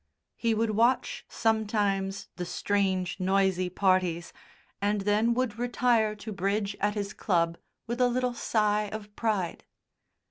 He would watch, sometimes, the strange, noisy parties, and then would retire to bridge at his club with a little sigh of pride.